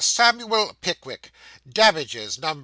SAMUEL PICKWICK. Damages £1500.